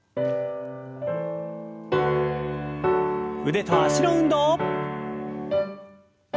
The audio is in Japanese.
腕と脚の運動。